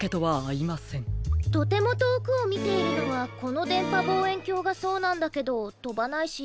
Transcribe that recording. とてもとおくをみているのはこのでんぱぼうえんきょうがそうなんだけどとばないし。